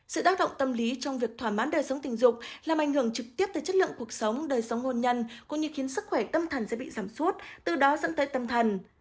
sự tác động tâm lý trong việc thỏa mãn đời sống tình dục làm ảnh hưởng trực tiếp tới chất lượng cuộc sống đời sống hôn nhân cũng như khiến sức khỏe tâm thần sẽ bị giảm sút từ đó dẫn tới tâm thần